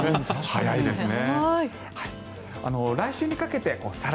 早いですね。